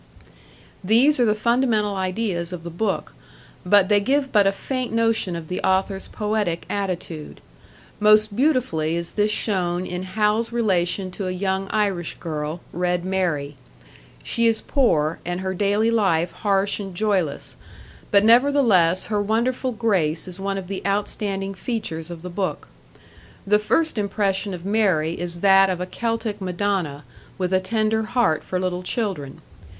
These are the fundamental ideas of the book, but they give but a faint notion of the author's poetic attitude. Most beautifully is this shown in Hal's relation to a young Irish girl, Red Mary. She is poor, and her daily life harsh and joyless, but nevertheless her wonderful grace is one of the outstanding features of the book. The first impression of Mary is that of a Celtic Madonna with a tender heart for little children.